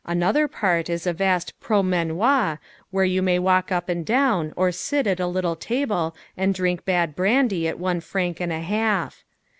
Another part is a vast "promenoir" where you may walk up and down or sit at a little table and drink bad brandy at one franc and a half.